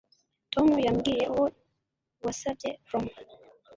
Tom yambwiye uwo wasabye prom